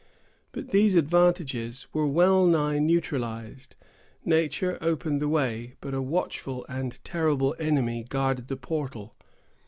But these advantages were well nigh neutralized. Nature opened the way, but a watchful and terrible enemy guarded the portal.